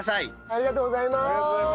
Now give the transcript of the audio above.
ありがとうございます！